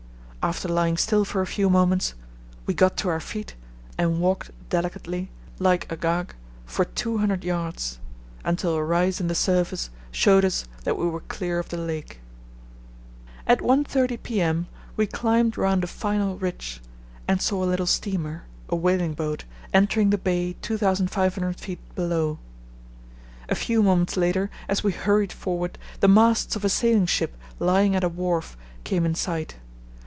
After lying still for a few moments we got to our feet and walked delicately, like Agag, for 200 yds., until a rise in the surface showed us that we were clear of the lake. At 1.30 p.m. we climbed round a final ridge and saw a little steamer, a whaling boat, entering the bay 2500 ft, below. A few moments later, as we hurried forward, the masts of a sailing ship lying at a wharf came in sight.